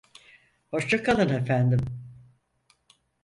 Hoşça kalın efendim.